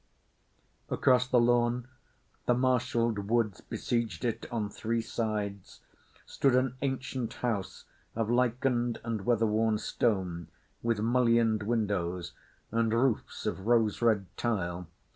Across the lawn—the marshalled woods besieged it on three sides—stood an ancient house of lichened and weather worn stone, with mullioned windows and roofs of rose red tile.